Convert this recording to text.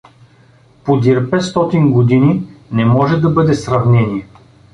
Подир петстотин години не може да бъде сравнение.